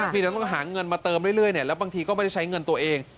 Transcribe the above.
เพียงแต่ต้องหาเงินมาเติมเรื่อยแล้วบางทีก็ไม่ได้ใช้เงินตัวเอง